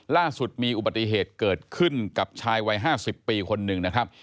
ล่าสุดมีอุบัติเหตุเกิดขึ้นกับชายวัย๕๐ปีคนหนึ่งนะครับ